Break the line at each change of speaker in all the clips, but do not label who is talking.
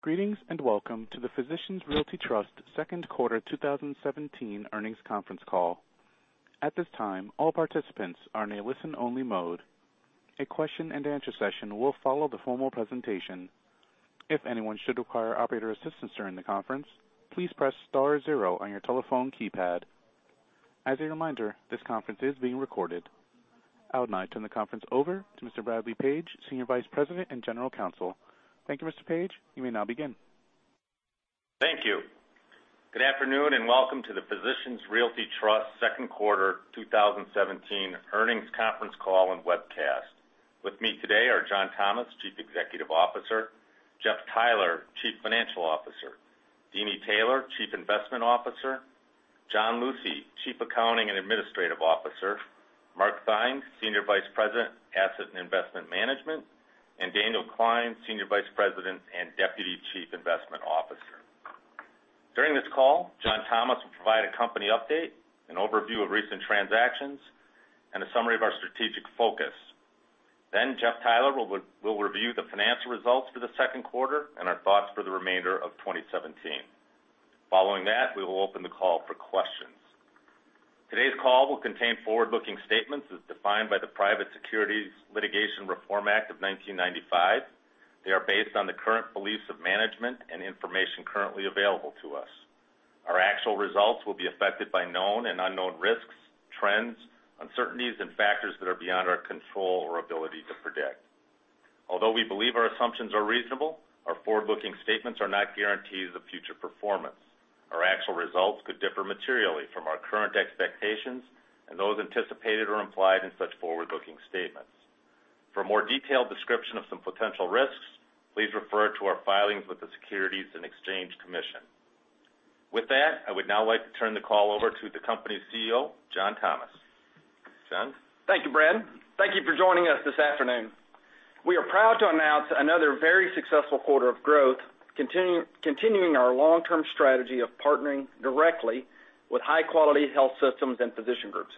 Greetings, and welcome to the Physicians Realty Trust second quarter 2017 earnings conference call. At this time, all participants are in a listen-only mode. A question and answer session will follow the formal presentation. If anyone should require operator assistance during the conference, please press star zero on your telephone keypad. As a reminder, this conference is being recorded. I would now turn the conference over to Mr. Bradley Page, Senior Vice President and General Counsel. Thank you, Mr. Paige. You may now begin.
Thank you. Good afternoon, and welcome to the Physicians Realty Trust second quarter 2017 earnings conference call and webcast. With me today are John Thomas, Chief Executive Officer, Jeff Theiler, Chief Financial Officer, Deenie Taylor, Chief Investment Officer, John Lucey, Chief Accounting and Administrative Officer, Mark Theine, Senior Vice President, Asset and Investment Management, and Daniel Klein, Senior Vice President and Deputy Chief Investment Officer. During this call, John Thomas will provide a company update, an overview of recent transactions, and a summary of our strategic focus. Jeff Theiler will review the financial results for the second quarter and our thoughts for the remainder of 2017. Following that, we will open the call for questions. Today's call will contain forward-looking statements as defined by the Private Securities Litigation Reform Act of 1995. They are based on the current beliefs of management and information currently available to us. Our actual results will be affected by known and unknown risks, trends, uncertainties, and factors that are beyond our control or ability to predict. Although we believe our assumptions are reasonable, our forward-looking statements are not guarantees of future performance. Our actual results could differ materially from our current expectations and those anticipated or implied in such forward-looking statements. For a more detailed description of some potential risks, please refer to our filings with the Securities and Exchange Commission. With that, I would now like to turn the call over to the company's CEO, John Thomas. John?
Thank you, Brad. Thank you for joining us this afternoon. We are proud to announce another very successful quarter of growth, continuing our long-term strategy of partnering directly with high-quality health systems and physician groups.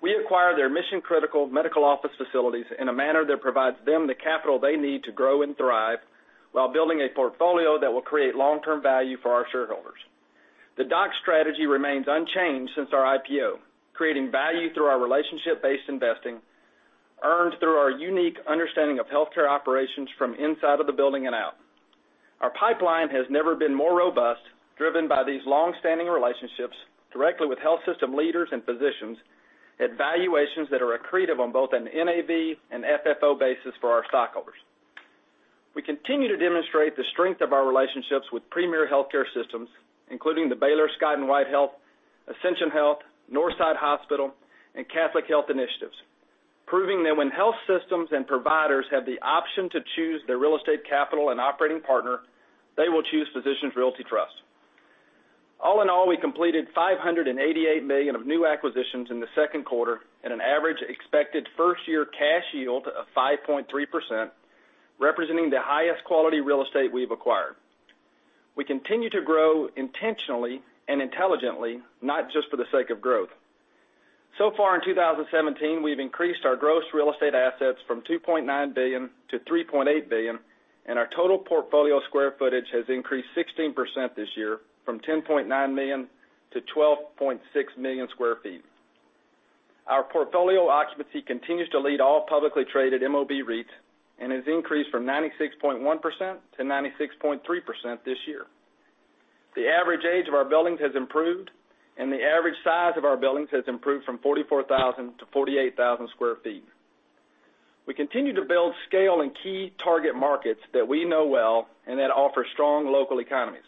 We acquire their mission-critical medical office facilities in a manner that provides them the capital they need to grow and thrive while building a portfolio that will create long-term value for our shareholders. The DOC strategy remains unchanged since our IPO, creating value through our relationship-based investing, earned through our unique understanding of healthcare operations from inside of the building and out. Our pipeline has never been more robust, driven by these longstanding relationships directly with health system leaders and physicians at valuations that are accretive on both an NAV and FFO basis for our stockholders. We continue to demonstrate the strength of our relationships with premier healthcare systems, including the Baylor Scott & White Health, Ascension Health, Northside Hospital, and Catholic Health Initiatives, proving that when health systems and providers have the option to choose their real estate capital and operating partner, they will choose Physicians Realty Trust. All in all, we completed $588 million of new acquisitions in the second quarter at an average expected first-year cash yield of 5.3%, representing the highest quality real estate we've acquired. We continue to grow intentionally and intelligently, not just for the sake of growth. So far in 2017, we've increased our gross real estate assets from $2.9 billion to $3.8 billion, and our total portfolio square footage has increased 16% this year from 10.9 million to 12.6 million square feet. Our portfolio occupancy continues to lead all publicly traded MOB REITs and has increased from 96.1% to 96.3% this year. The average age of our buildings has improved, and the average size of our buildings has improved from 44,000 to 48,000 square feet. We continue to build scale in key target markets that we know well and that offer strong local economies.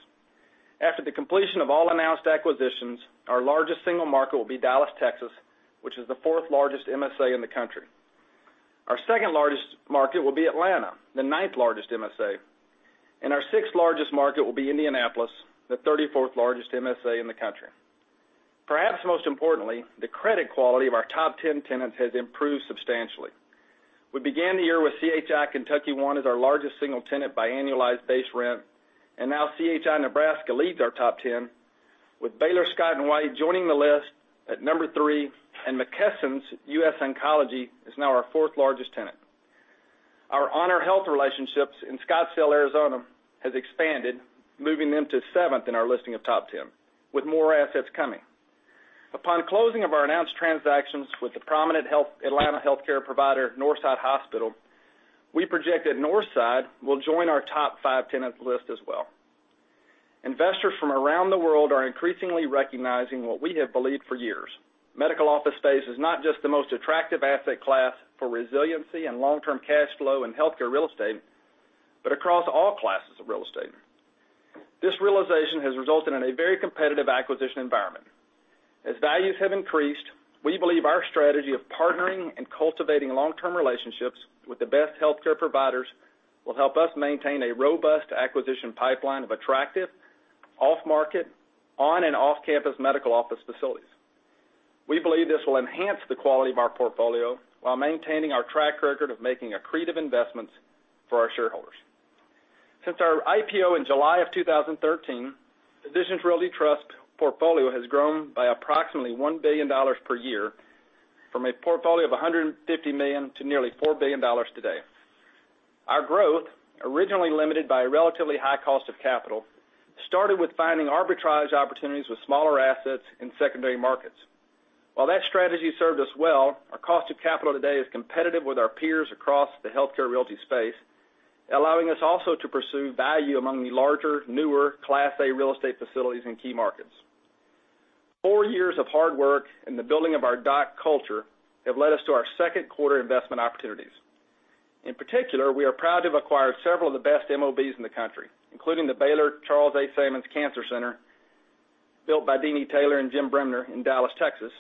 After the completion of all announced acquisitions, our largest single market will be Dallas, Texas, which is the fourth largest MSA in the country. Our second-largest market will be Atlanta, the ninth largest MSA, and our sixth-largest market will be Indianapolis, the 34th largest MSA in the country. Perhaps most importantly, the credit quality of our top 10 tenants has improved substantially. We began the year with CHI Kentucky as our largest single tenant by annualized base rent, and now CHI Nebraska leads our top 10, with Baylor Scott & White joining the list at number three, and McKesson's US Oncology is now our fourth largest tenant. Our HonorHealth relationships in Scottsdale, Arizona, have expanded, moving them to seventh in our listing of top 10, with more assets coming. Upon closing of our announced transactions with the prominent Atlanta healthcare provider, Northside Hospital, we project that Northside will join our top five tenants list as well. Investors from around the world are increasingly recognizing what we have believed for years. Medical office space is not just the most attractive asset class for resiliency and long-term cash flow in healthcare real estate, but across all classes of real estate. This realization has resulted in a very competitive acquisition environment. As values have increased, we believe our strategy of partnering and cultivating long-term relationships with the best healthcare providers will help us maintain a robust acquisition pipeline of attractive off-market, on- and off-campus medical office facilities. We believe this will enhance the quality of our portfolio while maintaining our track record of making accretive investments for our shareholders. Since our IPO in July of 2013, Physicians Realty Trust portfolio has grown by approximately $1 billion per year From a portfolio of $150 million to nearly $4 billion today. Our growth, originally limited by a relatively high cost of capital, started with finding arbitrage opportunities with smaller assets in secondary markets. While that strategy served us well, our cost of capital today is competitive with our peers across the healthcare realty space, allowing us also to pursue value among the larger, newer Class A real estate facilities in key markets. Four years of hard work and the building of our DOC culture have led us to our second quarter investment opportunities. In particular, we are proud to have acquired several of the best MOBs in the country, including the Baylor Charles A. Sammons Cancer Center, built by Deanie Taylor and Jim Bremner in Dallas, Texas,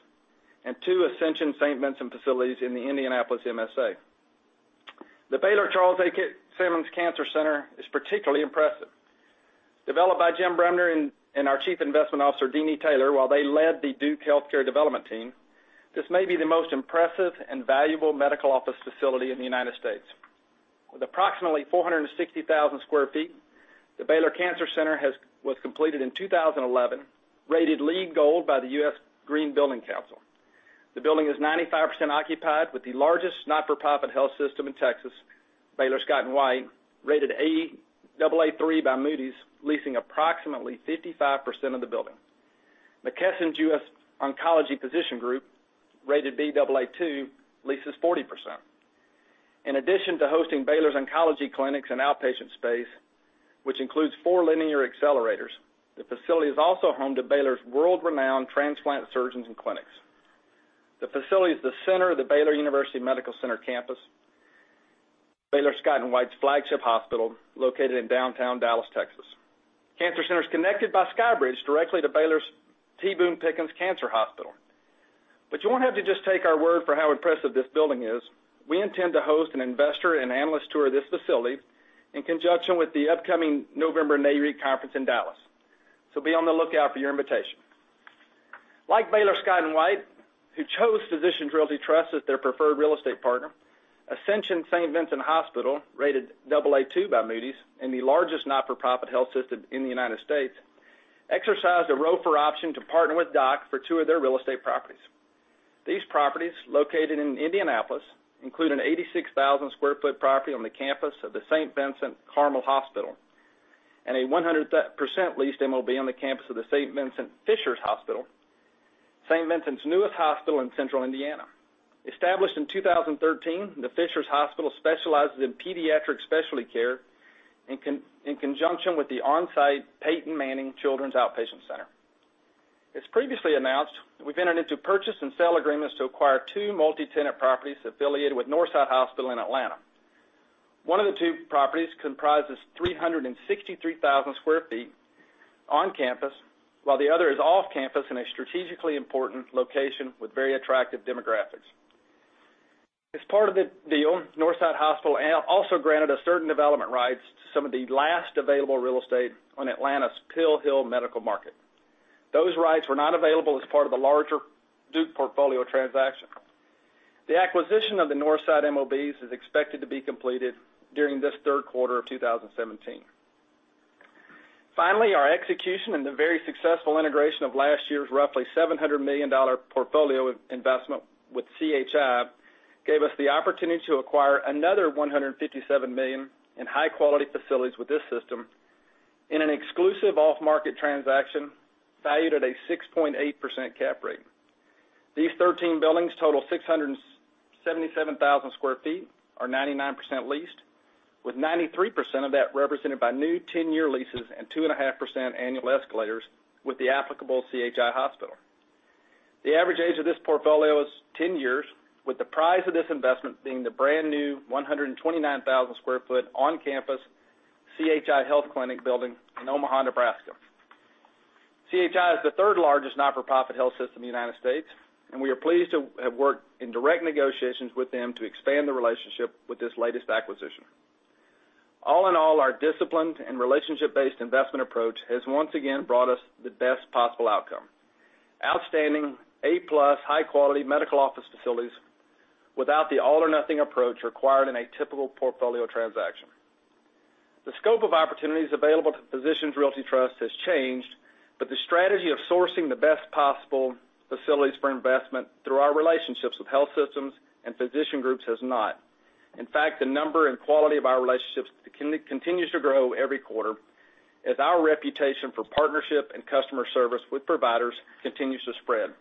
and two Ascension St. Vincent facilities in the Indianapolis MSA. The Baylor Charles A. Sammons Cancer Center is particularly impressive. Developed by Jim Bremner and our Chief Investment Officer, Deanie Taylor, while they led the Duke Realty development team, this may be the most impressive and valuable medical office facility in the U.S. With approximately 460,000 sq ft, the Baylor Cancer Center was completed in 2011, rated LEED Gold by the U.S. Green Building Council. The building is 95% occupied with the largest not-for-profit health system in Texas, Baylor Scott & White, rated Aa3 by Moody's, leasing approximately 55% of the building. McKesson's US Oncology Physician Group, rated Baa2, leases 40%. In addition to hosting Baylor's oncology clinics and outpatient space, which includes four linear accelerators, the facility is also home to Baylor's world-renowned transplant surgeons and clinics. The facility is the center of the Baylor University Medical Center campus, Baylor Scott & White's flagship hospital, located in downtown Dallas, Texas. Cancer Center's connected by sky bridge directly to Baylor's T. Boone Pickens Cancer Hospital. You won't have to just take our word for how impressive this building is. We intend to host an investor and analyst tour of this facility in conjunction with the upcoming November Nareit conference in Dallas. Be on the lookout for your invitation. Like Baylor Scott & White, who chose Physicians Realty Trust as their preferred real estate partner, Ascension St. Vincent Hospital, rated Baa2 by Moody's, and the largest not-for-profit health system in the U.S., exercised a ROFR option to partner with DOC for two of their real estate properties. These properties, located in Indianapolis, include an 86,000 sq ft property on the campus of the St. Vincent Carmel Hospital, and a 100% leased MOB on the campus of the St. Vincent Fishers Hospital, St. Vincent's newest hospital in Central Indiana. Established in 2013, the Fishers Hospital specializes in pediatric specialty care in conjunction with the on-site Peyton Manning Children's Outpatient Center. As previously announced, we've entered into purchase and sale agreements to acquire two multi-tenant properties affiliated with Northside Hospital in Atlanta. One of the two properties comprises 363,000 sq ft on campus, while the other is off campus in a strategically important location with very attractive demographics. As part of the deal, Northside Hospital also granted us certain development rights to some of the last available real estate on Atlanta's Pill Hill medical market. Those rights were not available as part of the larger Duke Realty portfolio transaction. The acquisition of the Northside MOBs is expected to be completed during this third quarter of 2017. Finally, our execution and the very successful integration of last year's roughly $700 million portfolio investment with CHI gave us the opportunity to acquire another $157 million in high-quality facilities with this system in an exclusive off-market transaction valued at a 6.8% cap rate. These 13 buildings total 677,000 sq ft, are 99% leased, with 93% of that represented by new 10-year leases and 2.5% annual escalators with the applicable CHI hospital. The average age of this portfolio is 10 years, with the prize of this investment being the brand-new 129,000 sq ft on-campus CHI Health clinic building in Omaha, Nebraska. CHI is the third largest not-for-profit health system in the U.S., and we are pleased to have worked in direct negotiations with them to expand the relationship with this latest acquisition. All in all, our disciplined and relationship-based investment approach has once again brought us the best possible outcome. Outstanding, A+, high-quality medical office facilities without the all-or-nothing approach required in a typical portfolio transaction. The scope of opportunities available to Physicians Realty Trust has changed, the strategy of sourcing the best possible facilities for investment through our relationships with health systems and physician groups has not. In fact, the number and quality of our relationships continues to grow every quarter as our reputation for partnership and customer service with providers continues to spread.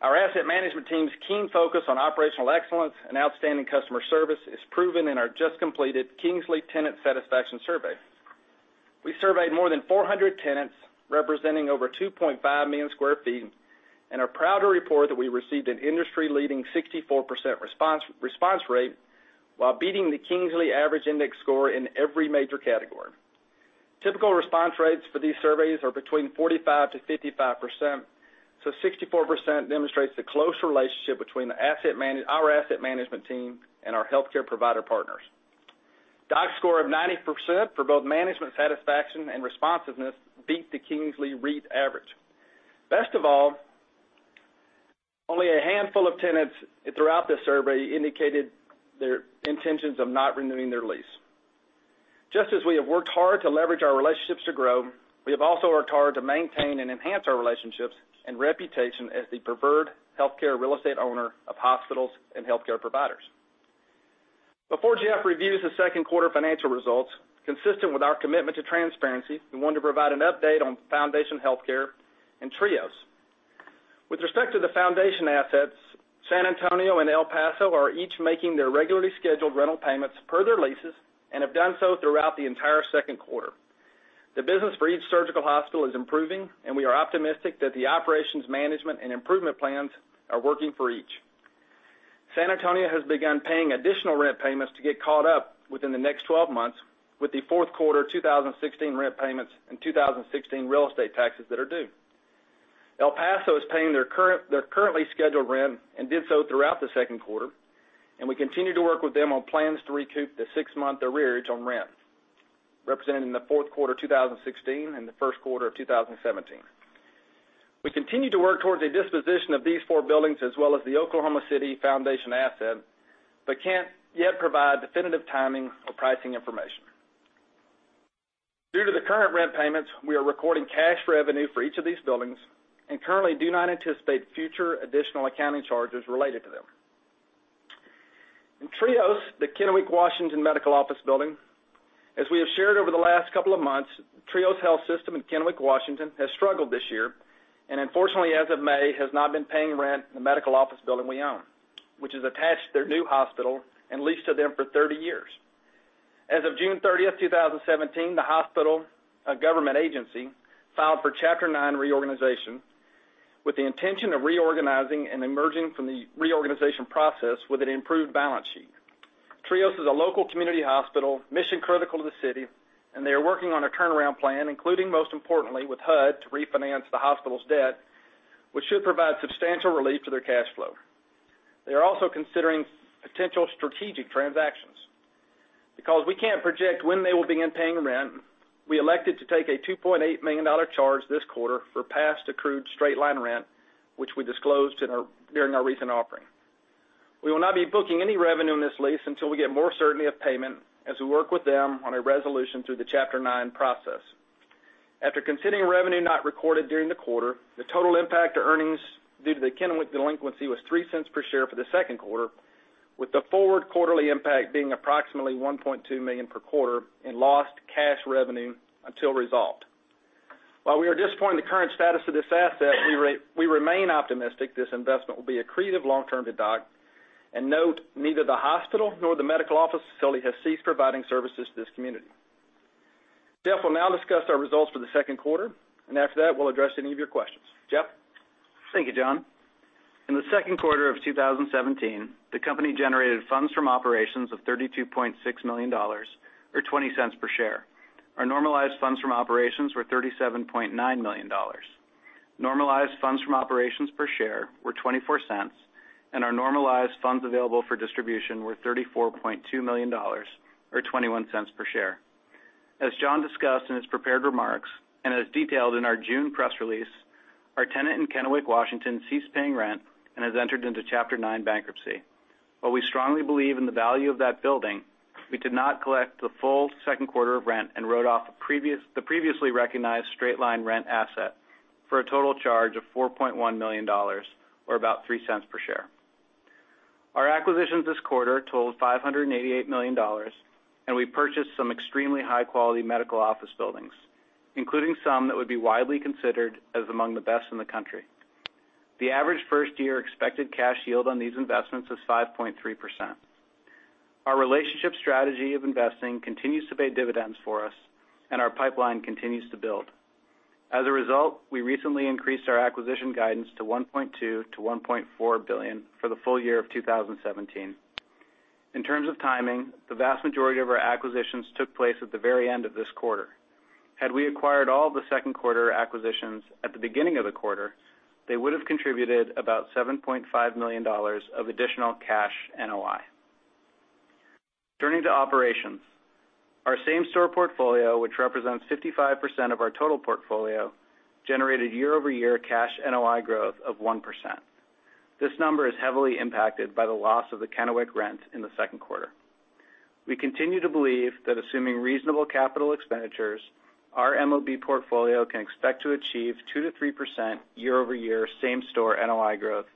Our asset management team's keen focus on operational excellence and outstanding customer service is proven in our just completed Kingsley tenant satisfaction survey. We surveyed more than 400 tenants representing over 2.5 million sq ft, and are proud to report that we received an industry-leading 64% response rate while beating the Kingsley average index score in every major category. Typical response rates for these surveys are between 45%-55%, 64% demonstrates the close relationship between our asset management team and our healthcare provider partners. DOC's score of 90% for both management satisfaction and responsiveness beat the Kingsley REIT average. Best of all, only a handful of tenants throughout the survey indicated their intentions of not renewing their lease. Just as we have worked hard to leverage our relationships to grow, we have also worked hard to maintain and enhance our relationships and reputation as the preferred healthcare real estate owner of hospitals and healthcare providers. Before Jeff reviews the second quarter financial results, consistent with our commitment to transparency, we want to provide an update on Foundation HealthCare and Trios Health. With respect to the Foundation assets, San Antonio and El Paso are each making their regularly scheduled rental payments per their leases and have done so throughout the entire second quarter. The business for each surgical hospital is improving, and we are optimistic that the operations management and improvement plans are working for each. San Antonio has begun paying additional rent payments to get caught up within the next 12 months with the fourth quarter 2016 rent payments and 2016 real estate taxes that are due. El Paso is paying their currently scheduled rent and did so throughout the second quarter, and we continue to work with them on plans to recoup the six-month arrears on rent, representing the fourth quarter 2016 and the first quarter of 2017. We continue to work towards a disposition of these four buildings as well as the Oklahoma City Foundation asset, can't yet provide definitive timing or pricing information. Due to the current rent payments, we are recording cash revenue for each of these buildings and currently do not anticipate future additional accounting charges related to them. In Trios Health, the Kennewick, Washington Medical Office Building, as we have shared over the last couple of months, Trios Health System in Kennewick, Washington has struggled this year. Unfortunately, as of May, has not been paying rent in the medical office building we own, which is attached to their new hospital and leased to them for 30 years. As of June 30th, 2017, the hospital, a government agency, filed for Chapter 9 reorganization with the intention of reorganizing and emerging from the reorganization process with an improved balance sheet. Trios Health is a local community hospital, mission-critical to the city. They are working on a turnaround plan, including, most importantly, with HUD to refinance the hospital's debt, which should provide substantial relief to their cash flow. They are also considering potential strategic transactions. Because we can't project when they will begin paying rent, we elected to take a $2.8 million charge this quarter for past accrued straight-line rent, which we disclosed during our recent offering. We will not be booking any revenue on this lease until we get more certainty of payment as we work with them on a resolution through the Chapter 9 process. After considering revenue not recorded during the quarter, the total impact to earnings due to the Kennewick delinquency was $0.03 per share for the second quarter, with the forward quarterly impact being approximately $1.2 million per quarter in lost cash revenue until resolved. While we are disappointed in the current status of this asset, we remain optimistic this investment will be accretive long term to DOC. Note, neither the hospital nor the medical office facility has ceased providing services to this community. Jeff will now discuss our results for the second quarter. After that, we'll address any of your questions. Jeff?
Thank you, John. In the second quarter of 2017, the company generated funds from operations of $32.6 million, or $0.20 per share. Our normalized funds from operations were $37.9 million. Normalized funds from operations per share were $0.24. Our normalized funds available for distribution were $34.2 million, or $0.21 per share. As John discussed in his prepared remarks, as detailed in our June press release, our tenant in Kennewick, Washington, ceased paying rent and has entered into Chapter 9 bankruptcy. While we strongly believe in the value of that building, we did not collect the full second quarter of rent and wrote off the previously recognized straight-line rent asset for a total charge of $4.1 million, or about $0.03 per share. Our acquisitions this quarter totaled $588 million. We purchased some extremely high-quality medical office buildings, including some that would be widely considered as among the best in the country. The average first-year expected cash yield on these investments is 5.3%. Our relationship strategy of investing continues to pay dividends for us, and our pipeline continues to build. As a result, we recently increased our acquisition guidance to $1.2 billion-$1.4 billion for the full year of 2017. In terms of timing, the vast majority of our acquisitions took place at the very end of this quarter. Had we acquired all the second quarter acquisitions at the beginning of the quarter, they would have contributed about $7.5 million of additional cash NOI. Turning to operations. Our same-store portfolio, which represents 55% of our total portfolio, generated year-over-year cash NOI growth of 1%. This number is heavily impacted by the loss of the Kennewick rent in the second quarter. We continue to believe that assuming reasonable capital expenditures, our MOB portfolio can expect to achieve 2%-3% year-over-year same-store NOI growth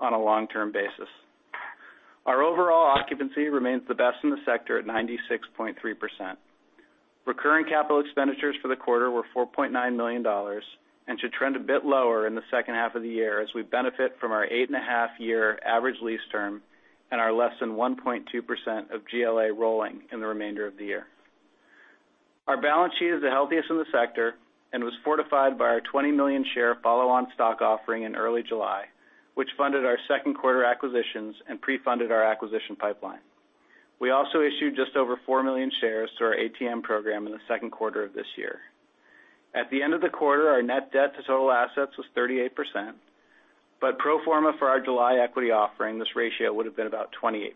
on a long-term basis. Our overall occupancy remains the best in the sector at 96.3%. Recurring capital expenditures for the quarter were $4.9 million and should trend a bit lower in the second half of the year as we benefit from our eight-and-a-half-year average lease term and our less than 1.2% of GLA rolling in the remainder of the year. Our balance sheet is the healthiest in the sector and was fortified by our 20 million share follow-on stock offering in early July, which funded our second quarter acquisitions and pre-funded our acquisition pipeline. We also issued just over 4 million shares through our ATM program in the second quarter of this year. At the end of the quarter, our net debt to total assets was 38%, but pro forma for our July equity offering, this ratio would have been about 28%.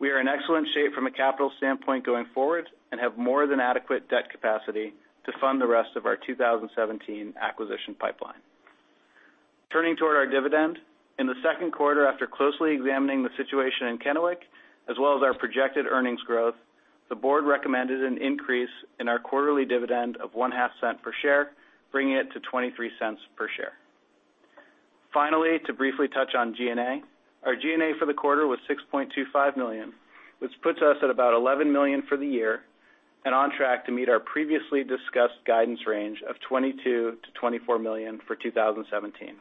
We are in excellent shape from a capital standpoint going forward and have more than adequate debt capacity to fund the rest of our 2017 acquisition pipeline. Turning toward our dividend. In the second quarter, after closely examining the situation in Kennewick, as well as our projected earnings growth, the board recommended an increase in our quarterly dividend of $0.005 per share, bringing it to $0.23 per share. Finally, to briefly touch on G&A. Our G&A for the quarter was $6.25 million, which puts us at about $11 million for the year, and on track to meet our previously discussed guidance range of $22 million-$24 million for 2017.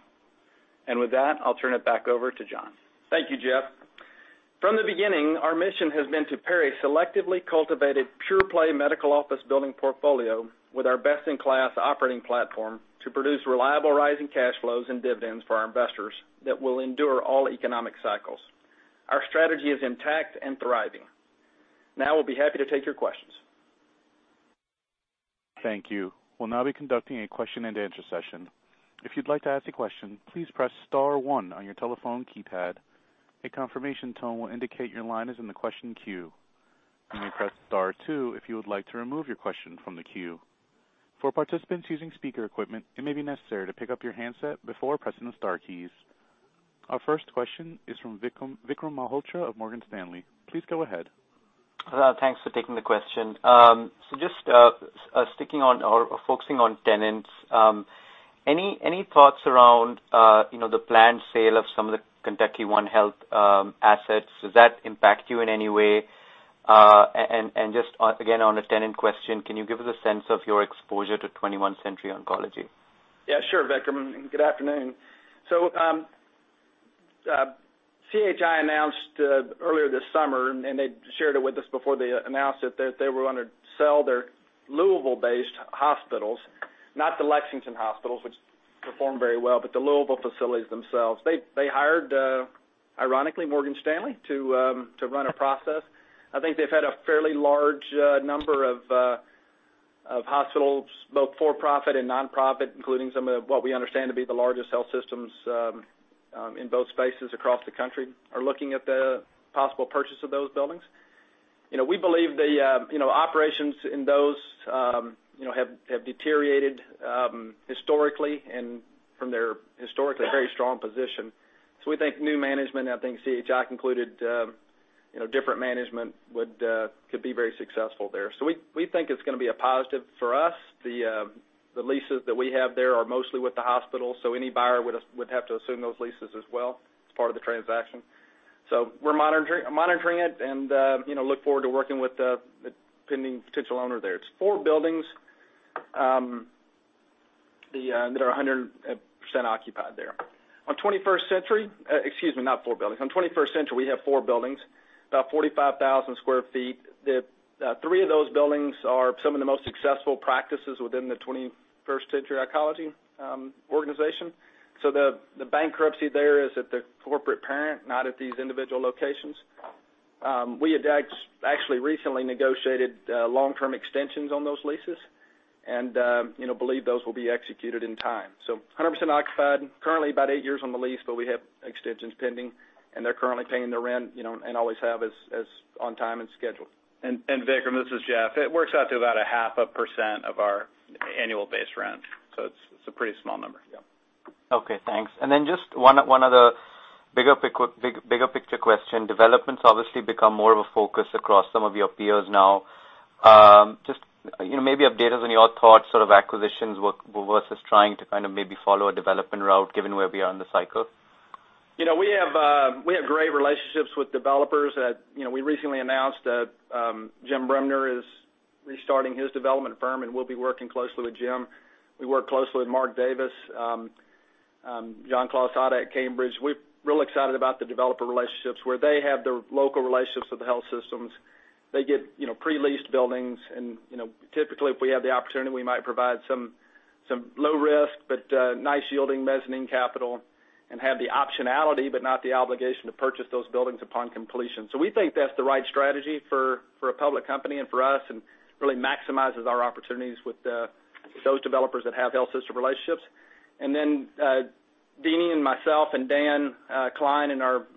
With that, I'll turn it back over to John.
Thank you, Jeff. From the beginning, our mission has been to pair a selectively cultivated pure play medical office building portfolio with our best-in-class operating platform to produce reliable rising cash flows and dividends for our investors that will endure all economic cycles. Our strategy is intact and thriving. We'll be happy to take your questions.
Thank you. We'll now be conducting a question and answer session. If you'd like to ask a question, please press *1 on your telephone keypad. A confirmation tone will indicate your line is in the question queue. You may press *2 if you would like to remove your question from the queue. For participants using speaker equipment, it may be necessary to pick up your handset before pressing the star keys. Our first question is from Vikram Malhotra of Morgan Stanley. Please go ahead.
Thanks for taking the question. Just focusing on tenants, any thoughts around the planned sale of some of the KentuckyOne Health assets? Does that impact you in any way? Just again, on a tenant question, can you give us a sense of your exposure to 21st Century Oncology?
Yeah, sure, Vikram. Good afternoon. CHI announced earlier this summer, and they shared it with us before they announced it, that they were going to sell their Louisville-based hospitals, not the Lexington hospitals, which performed very well, but the Louisville facilities themselves. They hired, ironically, Morgan Stanley to run a process. I think they've had a fairly large number of hospitals, both for-profit and non-profit, including some of what we understand to be the largest health systems in both spaces across the country, are looking at the possible purchase of those buildings. We believe the operations in those have deteriorated historically and from their historically very strong position. We think new management, and I think CHI concluded different management could be very successful there. We think it's going to be a positive for us. The leases that we have there are mostly with the hospital, any buyer would have to assume those leases as well as part of the transaction. We're monitoring it and look forward to working with the pending potential owner there. It's 4 buildings that are 100% occupied there. On 21st Century, excuse me, not 4 buildings. On 21st Century, we have 4 buildings, about 45,000 sq ft. 3 of those buildings are some of the most successful practices within the 21st Century Oncology organization. The bankruptcy there is at the corporate parent, not at these individual locations. We had actually recently negotiated long-term extensions on those leases and believe those will be executed in time. 100% occupied, currently about 8 years on the lease, but we have extensions pending, and they're currently paying their rent, and always have, on time and scheduled.
Vikram, this is Jeff. It works out to about a half a percent of our annual base rent. It's a pretty small number. Yeah.
Okay, thanks. Just one other bigger picture question. Development's obviously become more of a focus across some of your peers now. Just maybe update us on your thoughts, sort of acquisitions versus trying to kind of maybe follow a development route given where we are in the cycle.
We have great relationships with developers. We recently announced that Jim Bremner is restarting his development firm, we'll be working closely with Jim. We work closely with Mark Davis, John Closson at Cambridge. We're real excited about the developer relationships, where they have the local relationships with the health systems. They get pre-leased buildings, typically, if we have the opportunity, we might provide some low risk, but nice yielding mezzanine capital and have the optionality, but not the obligation to purchase those buildings upon completion. We think that's the right strategy for a public company and for us, really maximizes our opportunities with those developers that have health system relationships. Deenie and myself and Dan Klein and our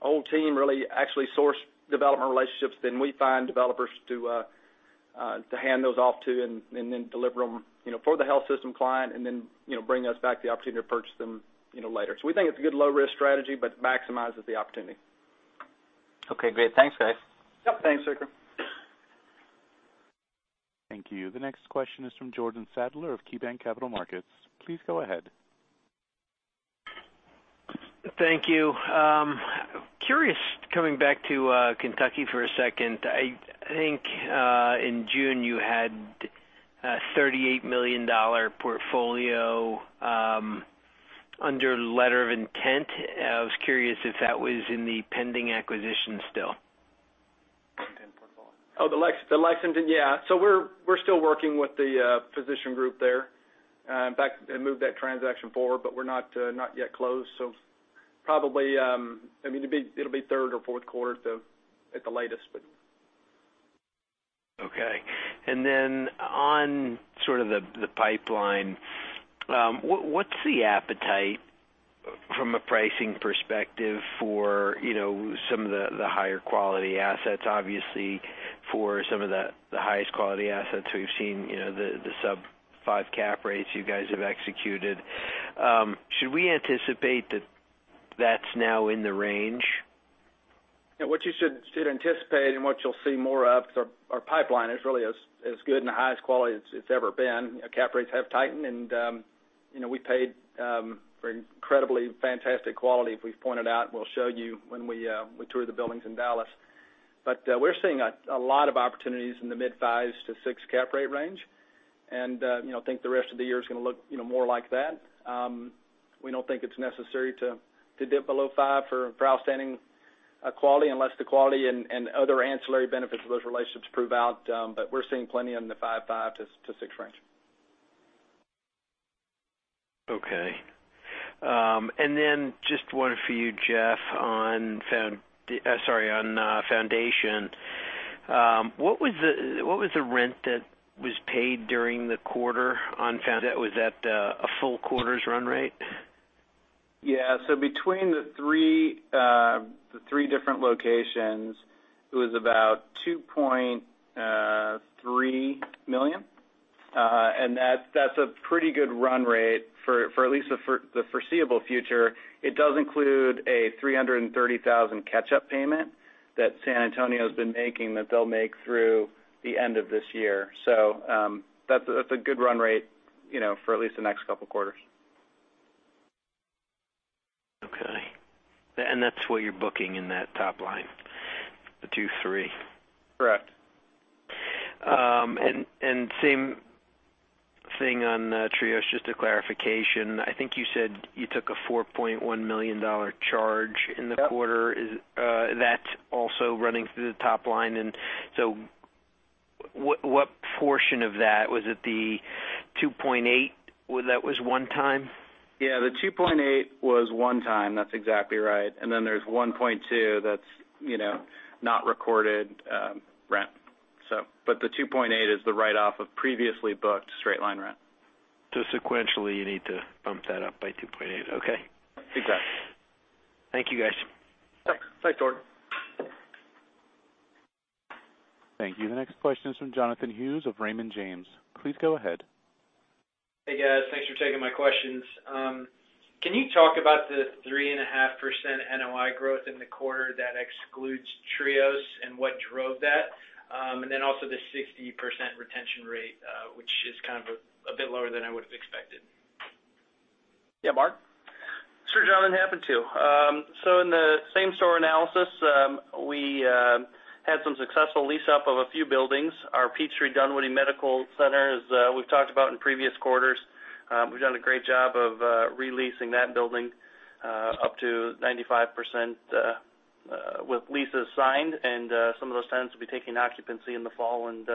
whole team really actually source development relationships. We find developers to hand those off to. Deliver them for the health system client. Bring us back the opportunity to purchase them later. We think it's a good low-risk strategy, but maximizes the opportunity.
Okay, great. Thanks, guys.
Yep. Thanks, Vikram.
Thank you. The next question is from Jordan Sadler of KeyBanc Capital Markets. Please go ahead.
Thank you. Curious, coming back to Kentucky for a second. I think in June you had a $38 million portfolio under letter of intent. I was curious if that was in the pending acquisition still.
Pending portfolio.
Oh, the Lexington? Yeah. We're still working with the physician group there. In fact, they moved that transaction forward, but we're not yet closed. Probably, it'll be third or fourth quarter at the latest.
Okay. On sort of the pipeline, what's the appetite From a pricing perspective for some of the higher quality assets, obviously for some of the highest quality assets we've seen, the sub five cap rates you guys have executed. Should we anticipate that that's now in the range?
What you should anticipate, what you'll see more of, because our pipeline is really as good and the highest quality as it's ever been. Cap rates have tightened, we paid for incredibly fantastic quality, as we've pointed out, we'll show you when we tour the buildings in Dallas. We're seeing a lot of opportunities in the mid-5s to 6 cap rate range, I think the rest of the year is going to look more like that. We don't think it's necessary to dip below 5 for outstanding quality unless the quality and other ancillary benefits of those relationships prove out, we're seeing plenty in the 5 to 6 range.
Okay. Just one for you, Jeff, on Foundation. What was the rent that was paid during the quarter? Was that a full quarter's run rate?
Yeah, between the three different locations, it was about $2.3 million. That's a pretty good run rate for at least the foreseeable future. It does include a $330,000 catch-up payment that San Antonio's been making that they'll make through the end of this year. That's a good run rate, for at least the next couple of quarters.
Okay. That's what you're booking in that top line, the $2.3.
Correct.
Same thing on Trios, just a clarification. I think you said you took a $4.1 million charge in the quarter.
Yep.
That's also running through the top line, what portion of that, was it the $2.8 that was one time?
Yeah, the $2.8 was one time. That's exactly right. Then there's $1.2 that's not recorded rent. The $2.8 is the write-off of previously booked straight-line rent.
Sequentially, you need to bump that up by $2.8. Okay.
Exactly.
Thank you, guys.
Yeah. Thanks, Jordan.
Thank you. The next question is from Jonathan Hughes of Raymond James. Please go ahead.
Hey, guys. Thanks for taking my questions. Can you talk about the 3.5% NOI growth in the quarter that excludes Trios and what drove that? Also the 60% retention rate, which is kind of a bit lower than I would've expected.
Yeah. Mark?
Sure, Jonathan, happy to. In the same-store analysis, we had some successful lease-up of a few buildings. Our Peachtree Dunwoody Medical Center, as we've talked about in previous quarters. We've done a great job of re-leasing that building up to 95% with leases signed, and some of those tenants will be taking occupancy in the fall and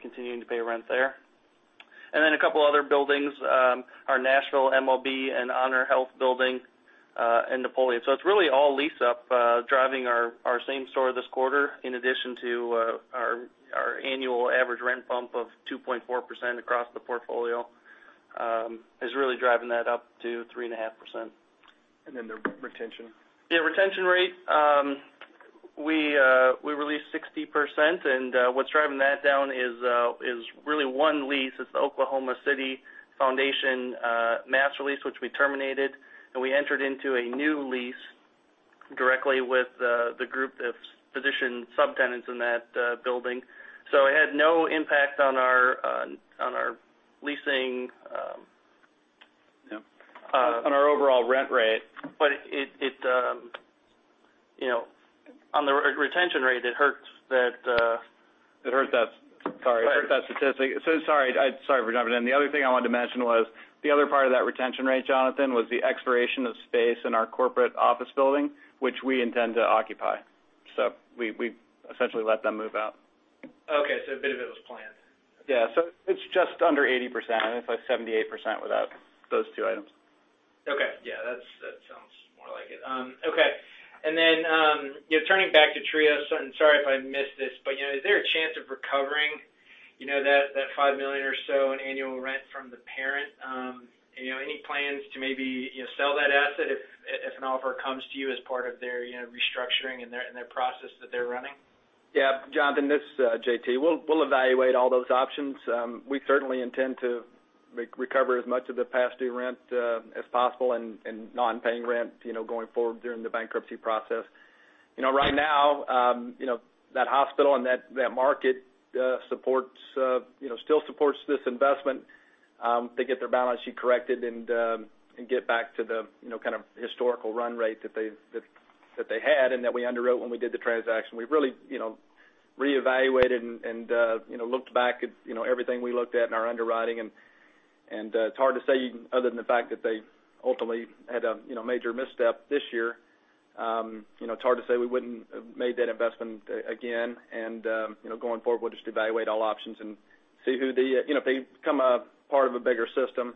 continuing to pay rent there. A couple other buildings, our Nashville MOB and HonorHealth building in Napoleon. It's really all lease-up driving our same store this quarter, in addition to our annual average rent bump of 2.4% across the portfolio, is really driving that up to 3.5%.
The retention.
Yeah, retention rate. We released 60%, what's driving that down is really one lease. It's the Oklahoma City Foundation master lease, which we terminated, and we entered into a new lease directly with the group of physician subtenants in that building. It had no impact on our leasing.
On our overall rent rate.
On the retention rate, it hurts.
It hurts that statistic. Sorry for jumping in. The other thing I wanted to mention was the other part of that retention rate, Jonathan, was the expiration of space in our corporate office building, which we intend to occupy. We essentially let them move out.
Okay. A bit of it was planned.
Yeah. It's just under 80%, and it's like 78% without those two items.
Okay. Yeah, that sounds more like it. Okay. Turning back to Trios Health, and sorry if I missed this, is there a chance of recovering that $5 million or so in annual rent from the parent? Any plans to maybe sell that asset if an offer comes to you as part of their restructuring and their process that they're running?
Yeah. Jonathan, this is JT. We'll evaluate all those options. We certainly intend to recover as much of the past due rent as possible and non-paying rent, going forward during the bankruptcy process. Right now, that hospital and that market still supports this investment. They get their balance sheet corrected and get back to the kind of historical run rate that they had and that we underwrote when we did the transaction. We really reevaluated and looked back at everything we looked at in our underwriting, it's hard to say other than the fact that they ultimately had a major misstep this year. It's hard to say we wouldn't have made that investment again, going forward, we'll just evaluate all options and see who. If they become a part of a bigger system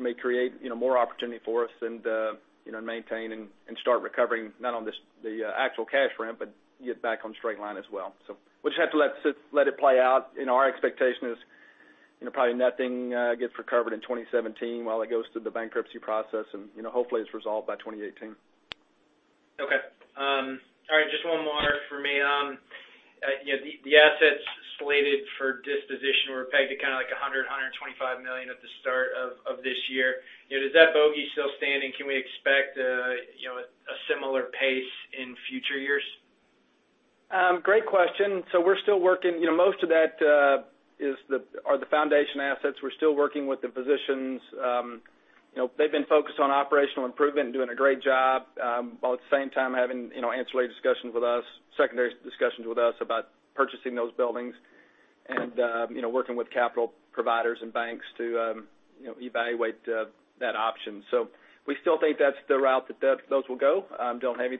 may create more opportunity for us and maintain and start recovering, not on the actual cash rent, but get back on straight line as well. We'll just have to let it play out. Our expectation is Probably nothing gets recovered in 2017 while it goes through the bankruptcy process, hopefully it's resolved by 2018.
Okay. All right, just one more for me. The assets slated for disposition were pegged at kind of like $100 million-$125 million at the start of this year. Is that bogey still standing? Can we expect a similar pace in future years?
Great question. We're still working. Most of that are the Foundation HealthCare assets. We're still working with the physicians. They've been focused on operational improvement and doing a great job, while at the same time having ancillary discussions with us, secondary discussions with us about purchasing those buildings and working with capital providers and banks to evaluate that option. We still think that's the route that those will go. Don't have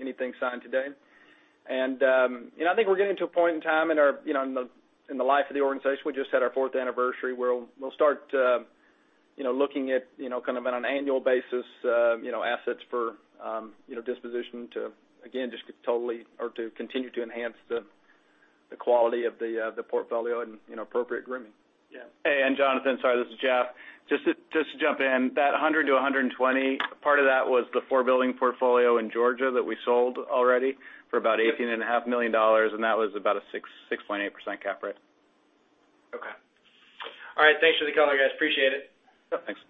anything signed today. I think we're getting to a point in time in the life of the organization, we just had our fourth anniversary, where we'll start looking at, kind of on an annual basis, assets for disposition to, again, just to continue to enhance the quality of the portfolio and appropriate grooming.
Yeah.
Hey, Jonathan, sorry, this is Jeff. Just to jump in, that $100 million-$120 million, part of that was the four-building portfolio in Georgia that we sold already for about $18.5 million, and that was about a 6.8% cap rate.
Okay. All right, thanks for the color, guys. Appreciate it.
Yeah, thanks.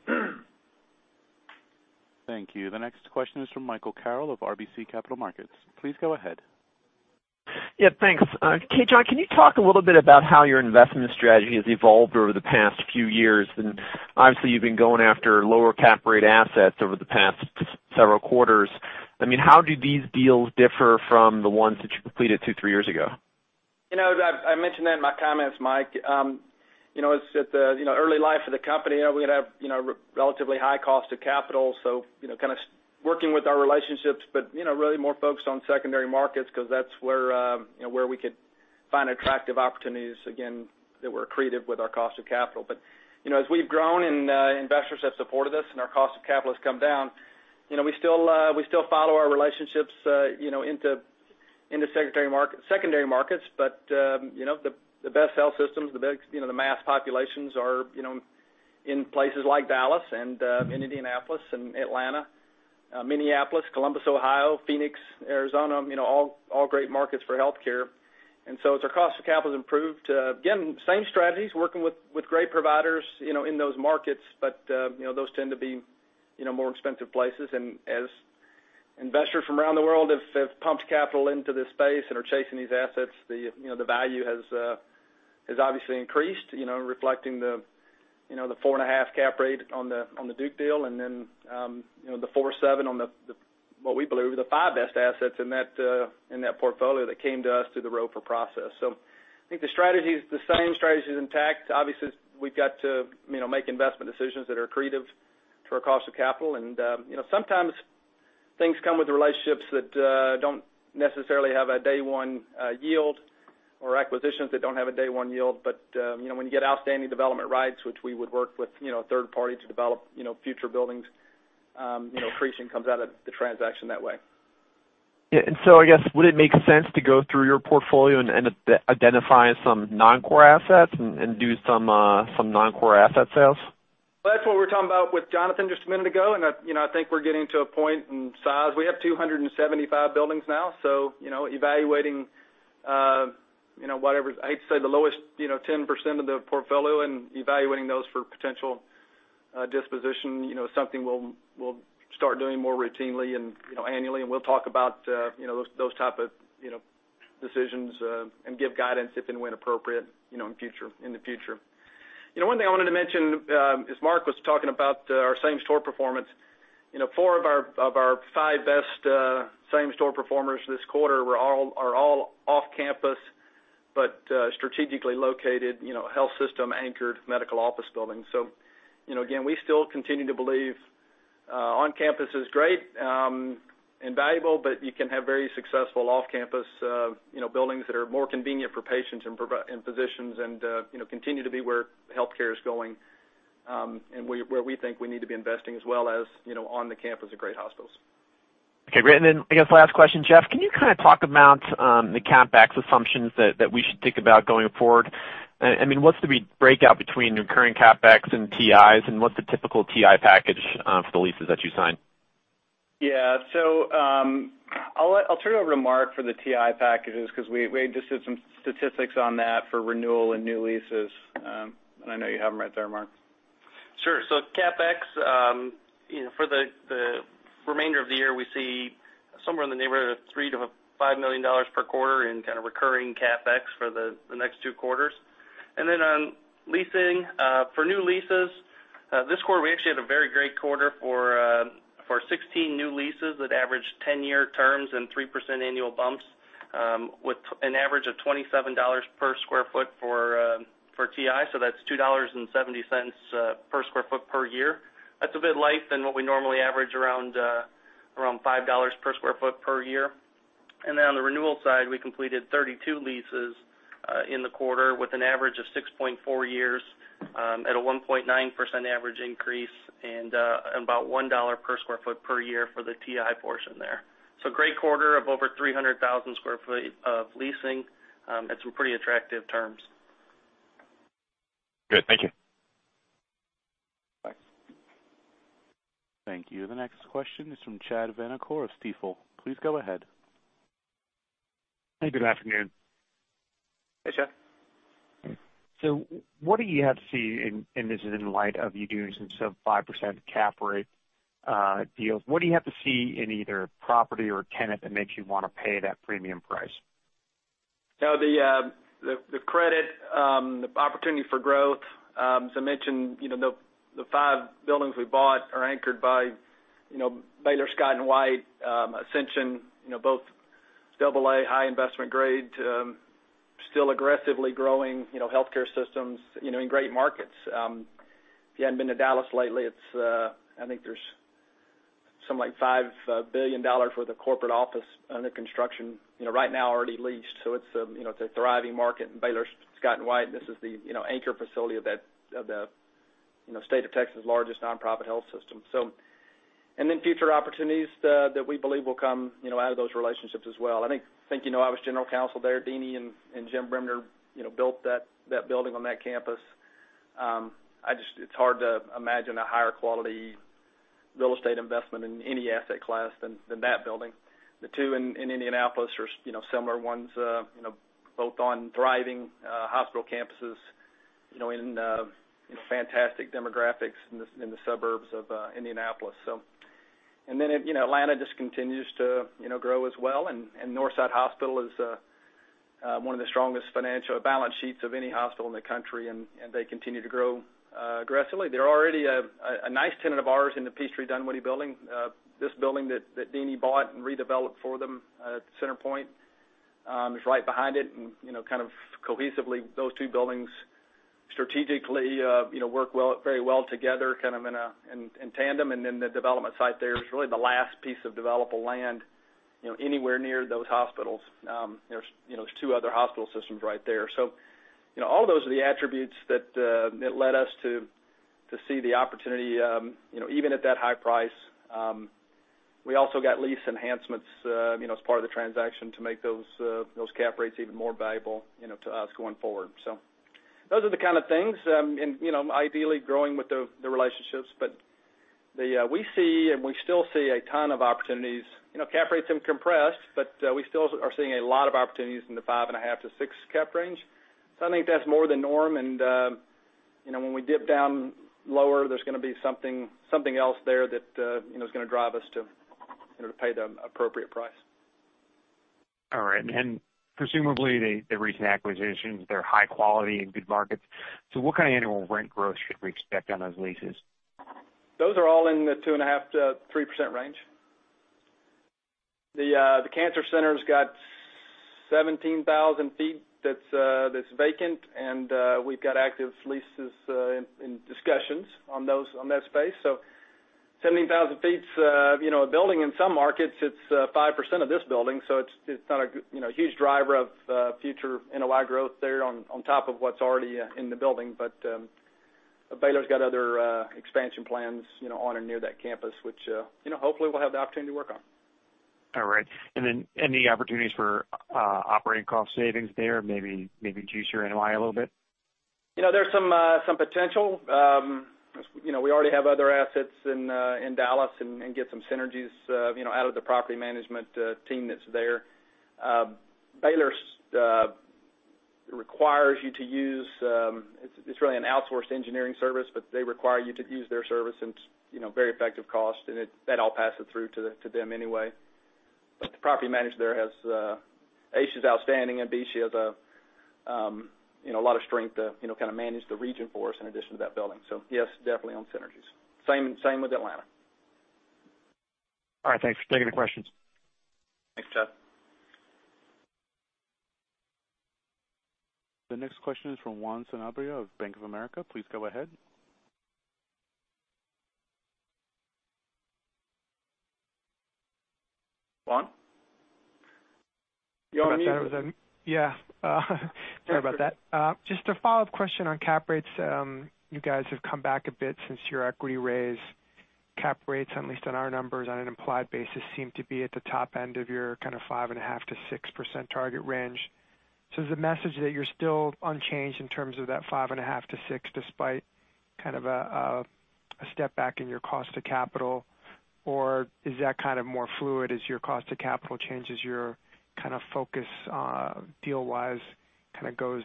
Thank you. The next question is from Michael Carroll of RBC Capital Markets. Please go ahead.
Yeah, thanks. Hey, John, can you talk a little bit about how your investment strategy has evolved over the past few years? Obviously, you've been going after lower cap rate assets over the past several quarters. How do these deals differ from the ones that you completed two, three years ago?
As I mentioned in my comments, Mike, at the early life of the company, we had to have relatively high cost of capital, so kind of working with our relationships, but really more focused on secondary markets because that's where we could find attractive opportunities, again, that were accretive with our cost of capital. As we've grown and investors have supported us and our cost of capital has come down, we still follow our relationships into secondary markets, but the best health systems, the mass populations are in places like Dallas and in Indianapolis and Atlanta, Minneapolis, Columbus, Ohio, Phoenix, Arizona, all great markets for healthcare. As our cost of capital has improved, again, same strategies, working with great providers in those markets, but those tend to be more expensive places. As investors from around the world have pumped capital into this space and are chasing these assets, the value has obviously increased, reflecting the 4.5 cap rate on the Duke deal, and the 4.7 on what we believe are the five best assets in that portfolio that came to us through the ROFR process. I think the same strategy is intact. Obviously, we've got to make investment decisions that are accretive to our cost of capital. Sometimes things come with relationships that don't necessarily have a day-one yield, or acquisitions that don't have a day-one yield. When you get outstanding development rights, which we would work with a third party to develop future buildings, accretion comes out of the transaction that way.
Yeah. I guess, would it make sense to go through your portfolio and identify some non-core assets and do some non-core asset sales?
That's what we were talking about with Jonathan just a minute ago, and I think we're getting to a point in size. We have 275 buildings now, so evaluating whatever, I hate to say the lowest 10% of the portfolio and evaluating those for potential disposition, something we'll start doing more routinely and annually, and we'll talk about those type of decisions and give guidance if and when appropriate in the future. One thing I wanted to mention, as Mark was talking about our same-store performance, four of our five best same-store performers this quarter are all off-campus, but strategically located, health system-anchored medical office buildings. Again, we still continue to believe on-campus is great and valuable, but you can have very successful off-campus buildings that are more convenient for patients and physicians and continue to be where healthcare is going and where we think we need to be investing, as well as on the campus of great hospitals.
Okay, great. Then I guess last question, Jeff, can you kind of talk about the CapEx assumptions that we should think about going forward? What's the breakout between recurring CapEx and TIs, and what's the typical TI package for the leases that you sign?
Yeah. I'll turn it over to Mark for the TI packages because we just did some statistics on that for renewal and new leases. I know you have them right there, Mark.
Sure. CapEx, for the remainder of the year, we see somewhere in the neighborhood of $3 million-$5 million per quarter in kind of recurring CapEx for the next two quarters. Then on leasing, for new leases, this quarter, we actually had a very great quarter for 16 new leases that averaged 10-year terms and 3% annual bumps with an average of $27 per square foot for TI. That's $2.70 per square foot per year. That's a bit light than what we normally average, around $5 per square foot per year. Then on the renewal side, we completed 32 leases in the quarter with an average of 6.4 years at a 1.9% average increase and about $1 per square foot per year for the TI portion there.
Great quarter of over 300,000 square feet of leasing, at some pretty attractive terms.
Good. Thank you.
Bye.
Thank you. The next question is from Chad Vanacore of Stifel. Please go ahead.
Hey, good afternoon.
Hey, Chad.
What do you have to see, and this is in light of you doing some 5% cap rate deals. What do you have to see in either property or tenant that makes you want to pay that premium price?
The credit, the opportunity for growth, as I mentioned, the five buildings we bought are anchored by Baylor Scott & White, Ascension, both AA high investment grade, still aggressively growing, healthcare systems, in great markets. If you hadn't been to Dallas lately, I think there's something like $5 billion worth of corporate office under construction, right now already leased. It's a thriving market. Baylor Scott & White, this is the anchor facility of the State of Texas' largest non-profit health system. Future opportunities that we believe will come out of those relationships as well. I think, you know I was general counsel there, Deeni and Jim Bremner, built that building on that campus. It's hard to imagine a higher quality real estate investment in any asset class than that building. The two in Indianapolis are similar ones, both on thriving hospital campuses, in fantastic demographics in the suburbs of Indianapolis. Atlanta just continues to grow as well, and Northside Hospital is one of the strongest financial balance sheets of any hospital in the country, and they continue to grow aggressively. They're already a nice tenant of ours in the Peachtree Dunwoody building. This building that Deenie bought and redeveloped for them at Centerpoint is right behind it and kind of cohesively, those two buildings strategically work very well together kind of in tandem. The development site there is really the last piece of developable land, anywhere near those hospitals. There's two other hospital systems right there. All those are the attributes that led us to see the opportunity, even at that high price. We also got lease enhancements as part of the transaction to make those cap rates even more valuable to us going forward. Those are the kind of things, and ideally growing with the relationships. We see, and we still see a ton of opportunities. Cap rates have compressed, but we still are seeing a lot of opportunities in the 5.5%-6% cap range. I think that's more the norm, and when we dip down lower, there's going to be something else there that is going to drive us to pay the appropriate price.
All right. Presumably, the recent acquisitions, they're high quality in good markets. What kind of annual rent growth should we expect on those leases?
Those are all in the 2.5%-3% range. The cancer center's got 17,000 feet that's vacant. We've got active leases in discussions on that space. 17,000 feet, a building in some markets, it's 5% of this building. It's not a huge driver of future NOI growth there on top of what's already in the building. Baylor's got other expansion plans on and near that campus, which hopefully we'll have the opportunity to work on.
All right. Any opportunities for operating cost savings there, maybe juice your NOI a little bit?
There's some potential. We already have other assets in Dallas and get some synergies out of the property management team that's there. Baylor requires you to use. It's really an outsourced engineering service. They require you to use their service. It's very effective cost. That all passes through to them anyway. The property manager there has, A, she's outstanding, and B, she has a lot of strength to kind of manage the region for us in addition to that building. Yes, definitely on synergies. Same with Atlanta.
All right, thanks. Taking the questions.
Thanks, Chad.
The next question is from Juan Sanabria of Bank of America. Please go ahead.
Juan? You on mute.
Sorry about that. Just a follow-up question on cap rates. You guys have come back a bit since your equity raise. Cap rates, at least in our numbers on an implied basis, seem to be at the top end of your kind of 5.5%-6% target range. Is the message that you're still unchanged in terms of that 5.5%-6% despite kind of a step back in your cost of capital, or is that kind of more fluid as your cost of capital changes your kind of focus, deal-wise, kind of goes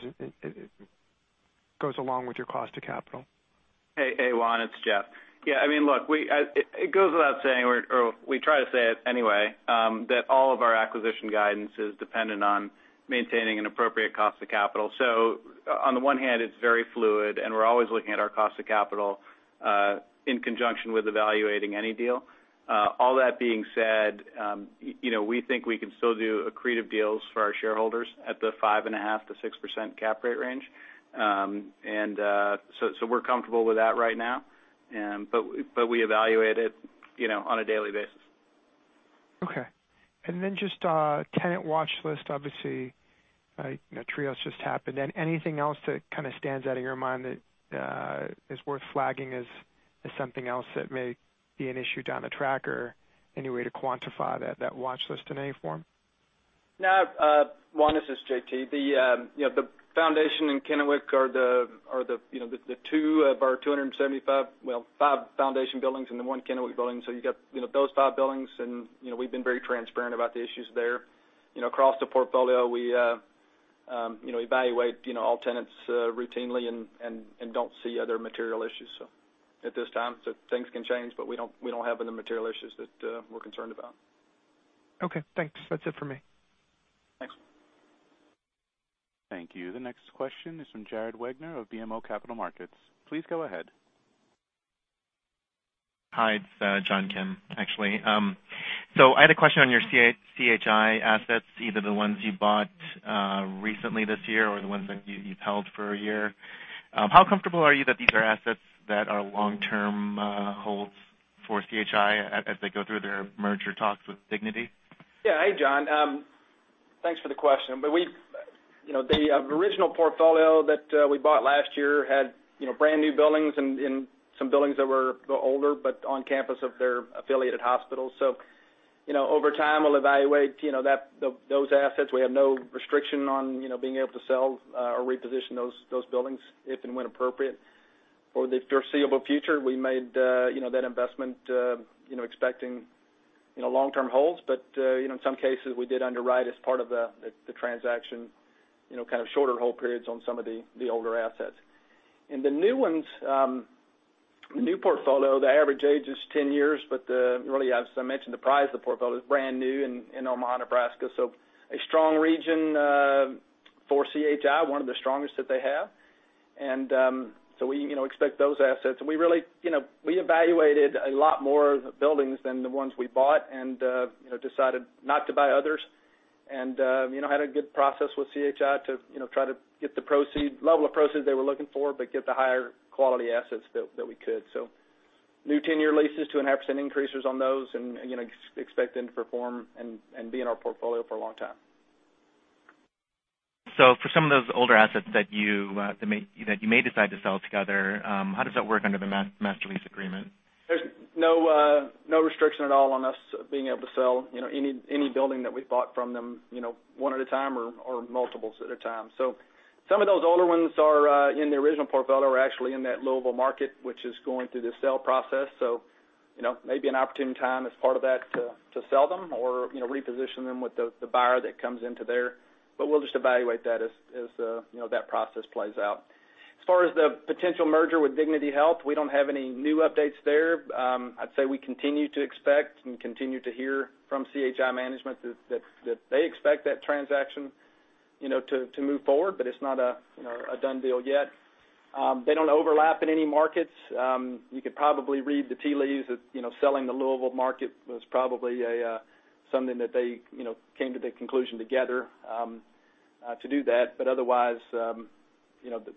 along with your cost of capital?
Hey, Juan, it's Jeff. Yeah, I mean, look, it goes without saying, or we try to say it anyway, that all of our acquisition guidance is dependent on maintaining an appropriate cost of capital. On the one hand, it's very fluid, and we're always looking at our cost of capital, in conjunction with evaluating any deal. All that being said, we think we can still do accretive deals for our shareholders at the 5.5%-6% cap rate range. We're comfortable with that right now, but we evaluate it on a daily basis.
Okay. Just tenant watch list, obviously I know Trios just happened. Anything else that kind of stands out in your mind that is worth flagging as something else that may be an issue down the track, or any way to quantify that watch list in any form?
No. Juan, this is JT. The Foundation and Kennewick are the two of our 275 Well, five Foundation buildings and the one Kennewick building. You got those five buildings, and we've been very transparent about the issues there. Across the portfolio, we evaluate all tenants routinely and don't see other material issues at this time. Things can change, but we don't have any material issues that we're concerned about.
Okay, thanks. That's it for me.
Thanks.
Thank you. The next question is from Jared Wagner of BMO Capital Markets. Please go ahead.
Hi, it's John Kim, actually. I had a question on your CHI assets, either the ones you bought recently this year or the ones that you've held for a year. How comfortable are you that these are assets that are long-term holds for CHI as they go through their merger talks with Dignity?
Yeah. Hey, John. Thanks for the question. The original portfolio that we bought last year had brand-new buildings and some buildings that were a little older, but on campus of their affiliated hospitals. Over time, we'll evaluate those assets. We have no restriction on being able to sell or reposition those buildings if and when appropriate. For the foreseeable future, we made that investment expecting long-term holds. In some cases, we did underwrite as part of the transaction, kind of shorter hold periods on some of the older assets. In the new ones, the new portfolio, the average age is 10 years, but really, as I mentioned, the price of the portfolio is brand new in Omaha, Nebraska, a strong region for CHI, one of the strongest that they have. We expect those assets. We evaluated a lot more buildings than the ones we bought and decided not to buy others and had a good process with CHI to try to get the level of proceeds they were looking for but get the higher quality assets that we could. New 10-year leases, 2.5% increases on those, and expect them to perform and be in our portfolio for a long time.
For some of those older assets that you may decide to sell together, how does that work under the master lease agreement?
There's no restriction at all on us being able to sell any building that we've bought from them, one at a time or multiples at a time. Some of those older ones that are in the original portfolio are actually in that Louisville market, which is going through the sale process. Maybe an opportune time as part of that to sell them or reposition them with the buyer that comes into there. We'll just evaluate that as that process plays out. As far as the potential merger with Dignity Health, we don't have any new updates there. I'd say we continue to expect and continue to hear from CHI management that they expect that transaction to move forward. It's not a done deal yet. They don't overlap in any markets. You could probably read the tea leaves that selling the Louisville market was probably something that they came to the conclusion together to do that. Otherwise,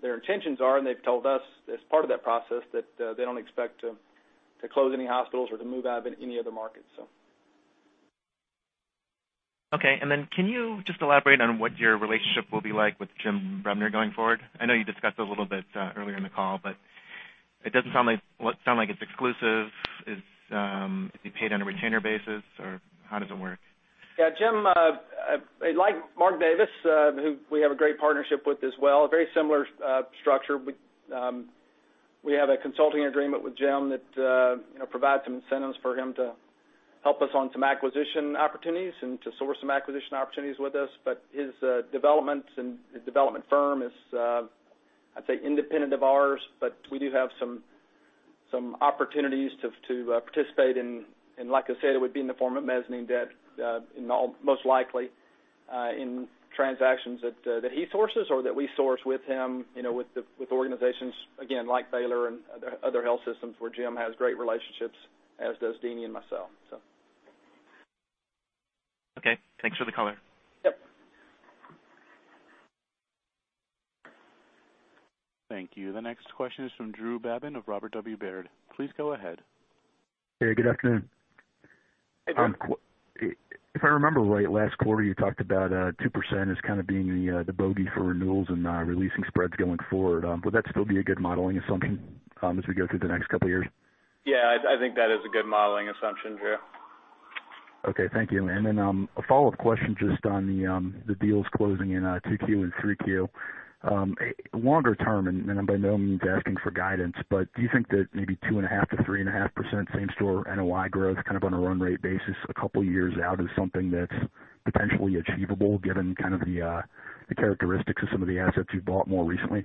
their intentions are, and they've told us as part of that process, that they don't expect to close any hospitals or to move out of any other markets.
Okay, then can you just elaborate on what your relationship will be like with Jim Bremner going forward? I know you discussed it a little bit earlier in the call, but it doesn't sound like it's exclusive. Is he paid on a retainer basis, or how does it work?
Yeah, Jim, like Mark Davis, who we have a great partnership with as well, a very similar structure. We have a consulting agreement with Jim that provides some incentives for him to help us on some acquisition opportunities and to source some acquisition opportunities with us. His development firm is, I'd say, independent of ours, but we do have some opportunities to participate in. Like I said, it would be in the form of mezzanine debt in all, most likely, in transactions that he sources or that we source with him, with organizations, again, like Baylor and other health systems where Jim has great relationships, as does Deenie and myself.
Okay. Thanks for the color.
Yep.
Thank you. The next question is from Drew Babin of Robert W. Baird. Please go ahead.
Hey, good afternoon.
Hey, Drew.
If I remember right, last quarter, you talked about 2% as kind of being the bogey for renewals and re-leasing spreads going forward. Would that still be a good modeling assumption as we go through the next couple of years?
Yeah, I think that is a good modeling assumption, Drew.
Okay, thank you. A follow-up question just on the deals closing in 2Q and 3Q. Longer term, I'm by no means asking for guidance, but do you think that maybe 2.5%-3.5% same-store NOI growth kind of on a run rate basis a couple of years out is something that's potentially achievable given kind of the characteristics of some of the assets you've bought more recently?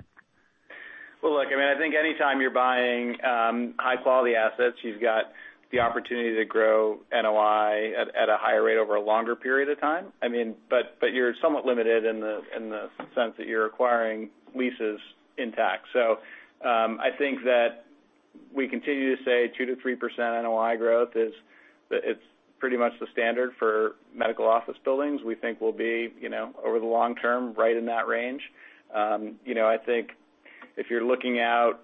Well, look, I think anytime you're buying high-quality assets, you've got the opportunity to grow NOI at a higher rate over a longer period of time. You're somewhat limited in the sense that you're acquiring leases intact. I think that we continue to say 2%-3% NOI growth is pretty much the standard for medical office buildings. We think we'll be, over the long term, right in that range. If you're looking out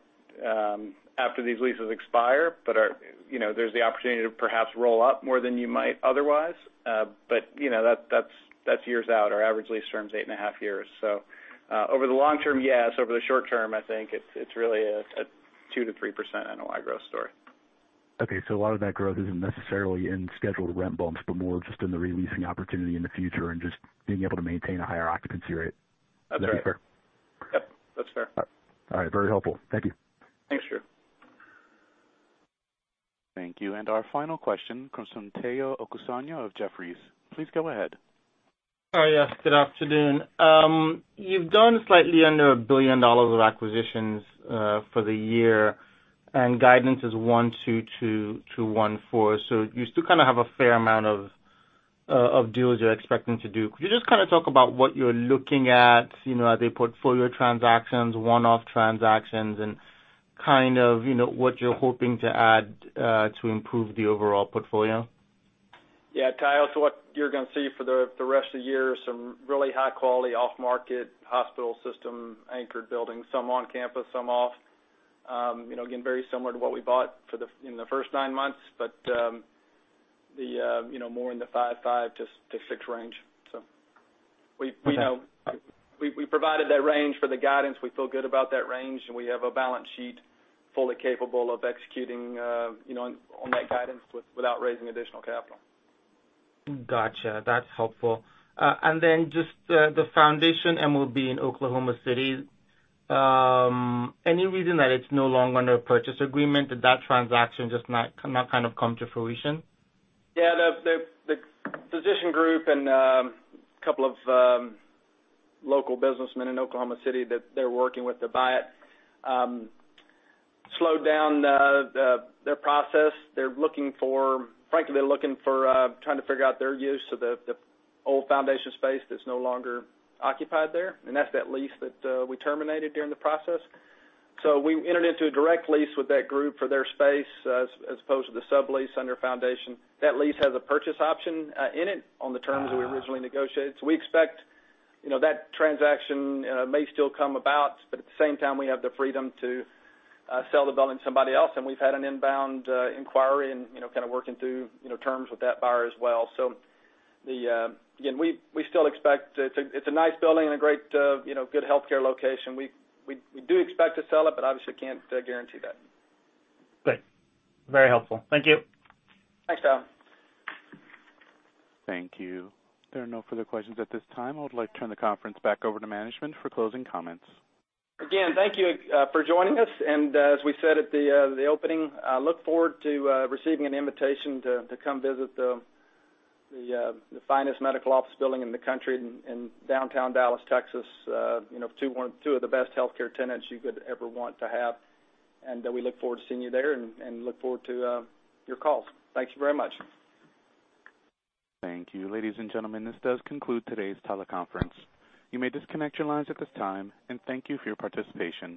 after these leases expire, there's the opportunity to perhaps roll up more than you might otherwise. That's years out. Our average lease term is eight and a half years. Over the long term, yes. Over the short term, I think it's really a 2%-3% NOI growth story.
Okay. A lot of that growth isn't necessarily in scheduled rent bumps, but more just in the re-leasing opportunity in the future and just being able to maintain a higher occupancy rate.
That's right.
Is that fair?
Yep, that's fair.
All right. Very helpful. Thank you.
Thanks, Drew.
Thank you. Our final question comes from Omotayo Okusanya of Jefferies. Please go ahead.
Hi, yes. Good afternoon. You've done slightly under $1 billion of acquisitions for the year, guidance is $1.2-$1.4. You still kind of have a fair amount of deals you're expecting to do. Could you just kind of talk about what you're looking at? Are they portfolio transactions, one-off transactions, and kind of what you're hoping to add to improve the overall portfolio?
Yeah, Tayo, what you're going to see for the rest of the year are some really high-quality off-market hospital system anchored buildings, some on campus, some off. Very similar to what we bought in the first nine months, but more in the 5-6 range.
Okay
We provided that range for the guidance. We feel good about that range, and we have a balance sheet fully capable of executing on that guidance without raising additional capital.
Gotcha. That's helpful. Then just the Foundation MOB in Oklahoma City. Any reason that it's no longer under a purchase agreement? Did that transaction just not kind of come to fruition?
Yeah. The physician group and a couple of local businessmen in Oklahoma City, that they're working with to buy it, slowed down their process. They're frankly looking for trying to figure out their use of the old Foundation space that's no longer occupied there, and that's that lease that we terminated during the process. We entered into a direct lease with that group for their space, as opposed to the sublease under Foundation. That lease has a purchase option in it on the terms we originally negotiated. We expect that transaction may still come about, but at the same time, we have the freedom to sell the building to somebody else, and we've had an inbound inquiry and kind of working through terms with that buyer as well. Again, we still expect it's a nice building and a great, good healthcare location. We do expect to sell it, but obviously can't guarantee that.
Great. Very helpful. Thank you.
Thanks, Tayo.
Thank you. There are no further questions at this time. I would like to turn the conference back over to management for closing comments.
Thank you for joining us, as we said at the opening, look forward to receiving an invitation to come visit the finest medical office building in the country in downtown Dallas, Texas, two of the best healthcare tenants you could ever want to have. We look forward to seeing you there and look forward to your calls. Thank you very much.
Thank you. Ladies and gentlemen, this does conclude today's teleconference. You may disconnect your lines at this time, and thank you for your participation.